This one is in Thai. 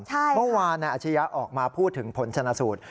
เมื่อวานนายอาชียะออกมาพูดถึงผลชนะสูตร